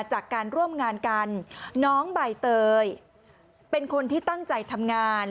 จากการร่วมงานกันน้องใบเตยเป็นคนที่ตั้งใจทำงาน